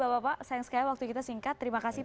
bapak bapak sayang sekali waktu kita singkat terima kasih